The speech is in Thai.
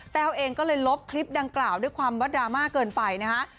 เองก็เลยลบคลิปดังกล่าวด้วยความว่าดราม่าเกินไปนะฮะ